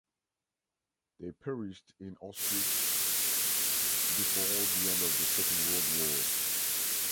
They perished in Auschwitz before the end of the Second World War.